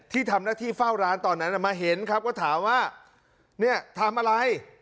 ที่ทำหน้าที่เฝ้าร้านตอนนั้นมาเห็นครับก็ถามว่าเนี่ยทำอะไร